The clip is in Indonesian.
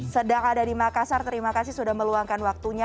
sedang ada di makassar terima kasih sudah meluangkan waktunya